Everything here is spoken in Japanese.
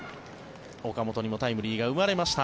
岡本にもタイムリーが生まれました。